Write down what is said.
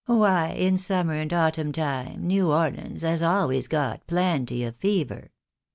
" Why in summer and autumn time, New Orleans has always got plenty of fever."